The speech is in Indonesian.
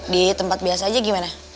di tempat biasa aja gimana